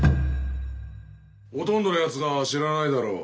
ほとんどのやつが知らないだろう。